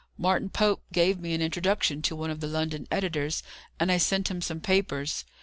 Martin Pope gave me an introduction to one of the London editors, and I sent him some papers.